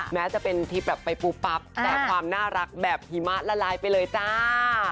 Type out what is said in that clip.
แม้จะเป็นทริปแบบไปปุ๊บปั๊บแต่ความน่ารักแบบหิมะละลายไปเลยจ้า